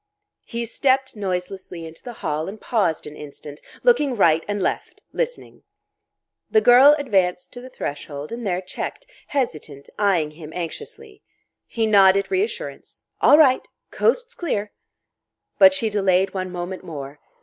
He stepped noiselessly into the hall and paused an instant, looking right and left, listening. The girl advanced to the threshold and there checked, hesitant, eyeing him anxiously. He nodded reassurance: "All right coast's clear!" But she delayed one moment more.